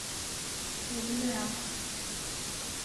Uḍneɣ!